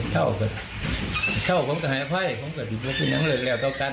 เจ้าผมจะหายอภัยผมก็ดีพวกผมผู้น้ำรึงแล้วต่อกัน